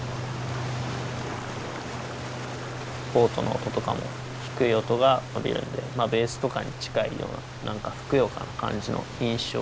ボートの音とかも低い音が伸びるんでベースとかに近いような何かふくよかな感じの印象があって。